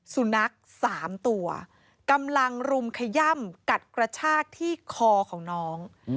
สุนัข๓ตัวกำลังรุมขย่ำกัดกระชากที่คอของน้อง